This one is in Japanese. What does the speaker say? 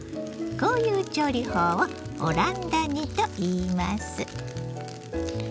こういう調理法をオランダ煮といいます。